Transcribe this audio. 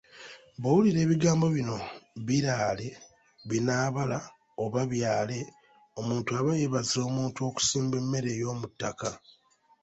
Bw'owulira ebigambo bino Biraale, binaabala oba byale, omuntu aba yeebaza omuntu okusimba emmere ey'omuttaka.